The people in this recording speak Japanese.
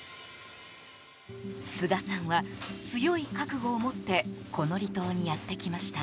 須賀さんは、強い覚悟を持ってこの離島にやってきました。